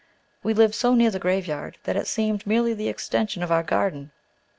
We lived so near the graveyard that it seemed merely the extension of our garden.